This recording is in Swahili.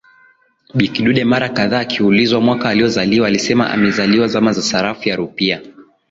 Bi kidude mara kadhaa akiulizwa mwaka aliozaliwa alisema amezaliwa zama za Sarafu ya Rupia